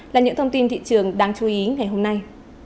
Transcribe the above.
là những thông tin thị trường đáng chú ý ngày hôm nay